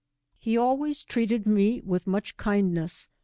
He always treated me with much kindness.